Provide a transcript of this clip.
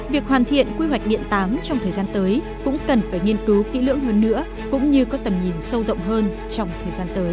việc hoàn thiện quy hoạch điện táng trong thời gian tới cũng cần phải nghiên cứu kỹ lưỡng hơn nữa cũng như có tầm nhìn sâu rộng hơn trong thời gian tới